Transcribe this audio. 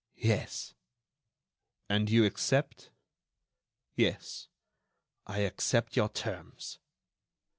"Yes." "And you accept?" "Yes; I accept your terms."